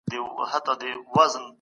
تاسو خپل لاسونه پاک ساتئ.